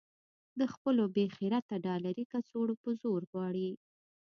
د خپلو بې خرطه ډالري کڅوړو په زور غواړي.